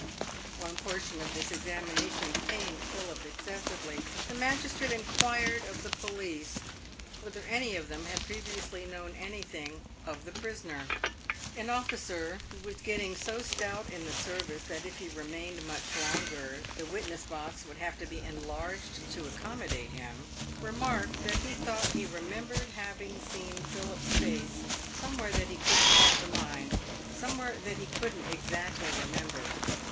One portion of this examination pained Philip excessively. The magistrate inquired of the police whether any of them had previously known anything of the prisoner. An officer, who was getting so stout in the service that if he remained much longer the witness box would have to be enlarged to accommodate him, remarked that he thought he remembered having seen Philip's face somewhere that he couldn't call to mind — some where that he couldn't exactly remember.